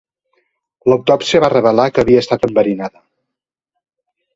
L'autòpsia va revelar que havia estat enverinada.